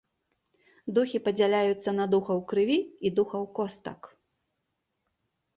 Духі падзяляюцца на духаў крыві і духаў костак.